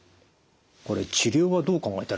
これ治療はどう考えたらいいんですか？